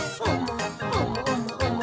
「おもおもおも！